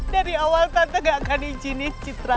dari awal tante gak akan izini cintra